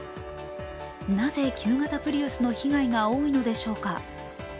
なぜ旧型プリウスの被害が多いのでしょうか。